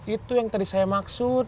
itu yang tadi saya maksud